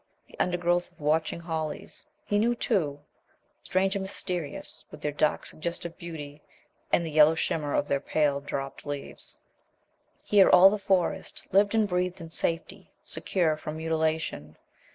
The undergrowth of watching hollies, he knew too, strange and mysterious, with their dark, suggestive beauty, and the yellow shimmer of their pale dropped leaves. Here all the Forest lived and breathed in safety, secure from mutilation.